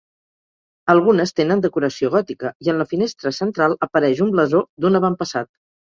Algunes tenen decoració gòtica i en la finestra central, apareix un blasó d'un avantpassat.